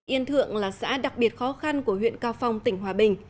yên thượng là xã đặc biệt khó khăn của huyện cao phong tỉnh hòa bình